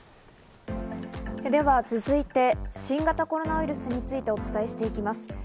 では続いて新型コロナウイルスについてお伝えしていきます。